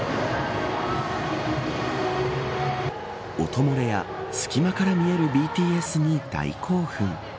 音もれや隙間から見えるＢＴＳに大興奮。